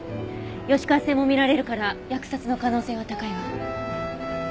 吉川線も見られるから扼殺の可能性は高いわ。